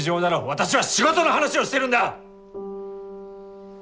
私は仕事の話をしているんだ！